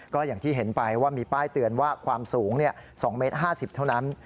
ก็อย่างที่เห็นไปว่ามีป้ายเตือนว่าความสูง๒เมตร๕๐เท่านั้น